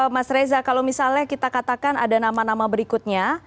mas reza kalau misalnya kita katakan ada nama nama berikutnya